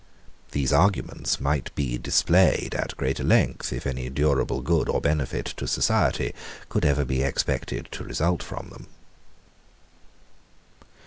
These arguments might be displayed at greater length, if any durable good or benefit to society could ever be expected to result from them.